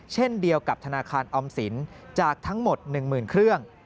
เช่นเดียวกับธนาคารออมสินจากทั้งหมด๑๐๐๐เครื่อง